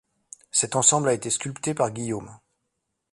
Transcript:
Cet ensemble a été sculpté par Guillaume.